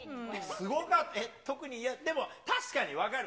すごかった、特に、嫌でも、確かに分かる。